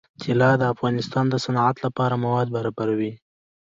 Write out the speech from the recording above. طلا د افغانستان د صنعت لپاره مواد برابروي.